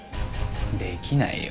できないよ。